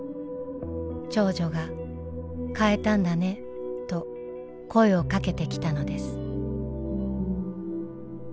長女が「変えたんだね」と声をかけてきたのです。